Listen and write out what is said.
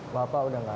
bapak udah gak ada